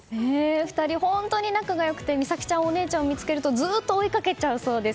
２人、本当に仲が良くてお姉ちゃんを見つけるとずっと追いかけちゃうそうです。